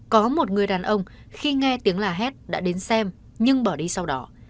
có một người đàn ông khi nghe tiếng la hét đã đến xem nhưng bỏ đi sau đó